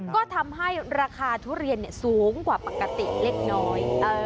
ก็ทำให้ราคาทุเรียนสูงกว่าปกติเล็กน้อย